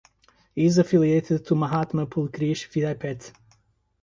It is affiliated to Mahatma Phule Krishi Vidyapeeth.